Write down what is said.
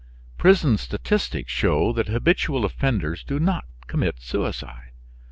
Prison statistics show that habitual offenders do not commit suicide.